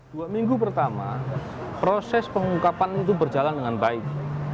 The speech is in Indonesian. dua minggu pertama proses pengungkapan itu berjalan dengan baik